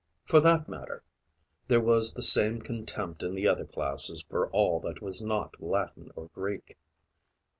For that matter, there was the same contempt in the other classes for all that was not Latin or Greek.